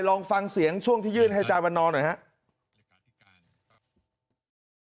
ลองฟังเสียงช่วงที่ยื่นให้อาจารย์วันนอนหน่อยครับ